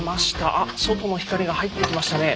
あっ外の光が入ってきましたね。